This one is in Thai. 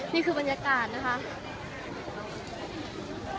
นี่คือบรรยากาศนะคะ